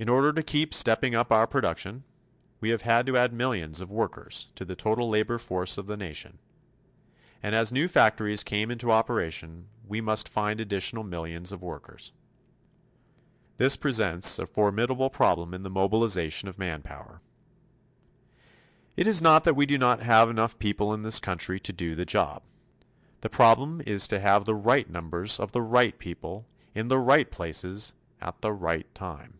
In order to keep stepping up our production, we have had to add millions of workers to the total labor force of the nation. And as new factories came into operation, we must find additional millions of workers. This presents a formidable problem in the mobilization of manpower. It is not that we do not have enough people in this country to do the job. The problem is to have the right numbers of the right people in the right places at the right time.